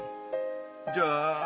じゃあ。